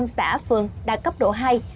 hai trăm bốn mươi năm xã phường đạt cấp độ hai